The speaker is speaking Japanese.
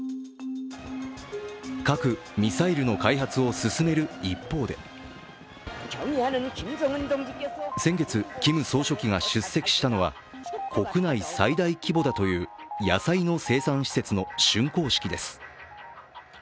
核・ミサイルの開発を進める一方で先月、キム総書記が出席したのは国内最大規模だという野菜の生産施設の竣工式です。